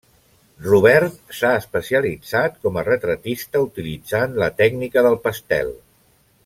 Robert s'ha especialitzat com a retratista utilitzant la tècnica del pastel.